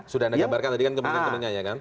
sudah anda gabarkan tadi kan kepentingannya ya kan